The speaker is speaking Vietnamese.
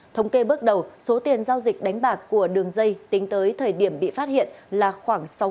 thống kê bước đầu số tiền giao dịch đánh bạc của đường dây tính tới thời điểm bị phát hiện là khoảng sáu mươi